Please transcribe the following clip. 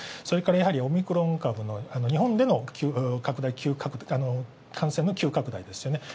それからやはりオミクロン株の日本での感染の急拡大ですよね